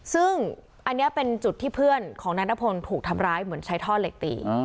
ซึ่งอันนี้เป็นจุดที่เพื่อนของนายนพลถูกทำร้ายเหมือนใช้ท่อเหล็กตี